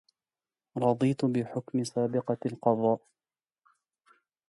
رضيت بحكم سابقة القضاء